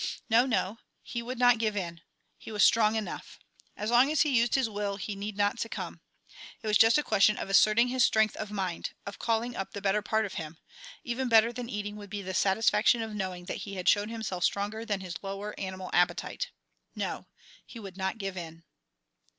No, no; he would not give in, he was strong enough; as long as he used his will he need not succumb. It was just a question of asserting his strength of mind, of calling up the better part of him. Even better than eating would be the satisfaction of knowing that he had shown himself stronger than his lower animal appetite. No; he would not give in.